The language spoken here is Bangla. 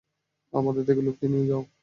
আমাদের থেকে লুকিয়ে নিয়ে যেও।